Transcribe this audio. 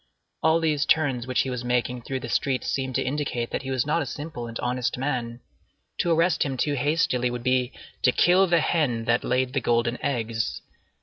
All these turns which he was making through the streets seemed to indicate that he was not a simple and honest man. To arrest him too hastily would be "to kill the hen that laid the golden eggs."